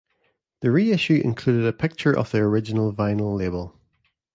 The reissue included a picture of the original vinyl label.